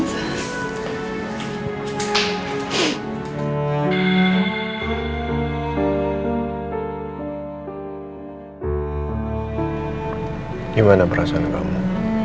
gimana perasaan kamu